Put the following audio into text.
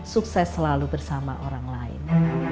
sukses selalu bersama orang lain